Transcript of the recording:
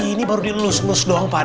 ini baru dilus lus doang pak